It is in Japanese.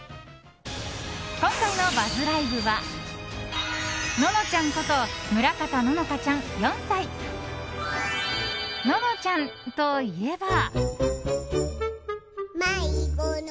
今回のＢＵＺＺＬＩＶＥ！はののちゃんこと村方乃々佳ちゃん、４歳。ののちゃんといえば。